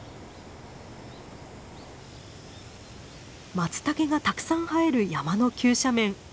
マツタケがたくさん生える山の急斜面。